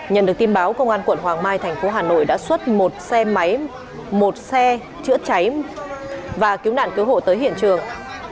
nhận được tin báo công an quận hoàng mai thành phố hà nội đã xuất một xe chữa cháy và cứu nạn cứu hộ tới hiện trường